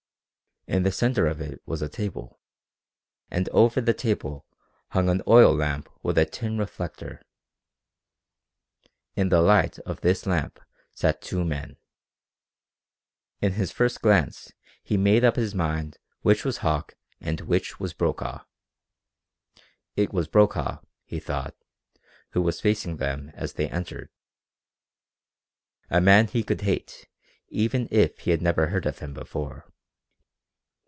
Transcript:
In the centre of it was a table, and over the table hung an oil lamp with a tin reflector. In the light of this lamp sat two men. In his first glance he made up his mind which was Hauck and which was Brokaw. It was Brokaw, he thought, who was facing them as they entered a man he could hate even if he had never heard of him before.